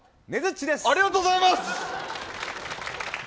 ありがとうございます。